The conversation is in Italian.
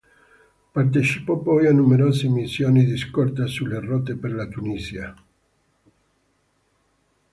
Partecipò poi a numerose missioni di scorta sulle rotte per la Tunisia.